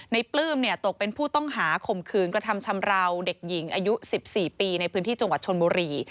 ปลื้มตกเป็นผู้ต้องหาข่มขืนกระทำชำราวเด็กหญิงอายุ๑๔ปีในพื้นที่จังหวัดชนบุรี